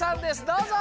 どうぞ。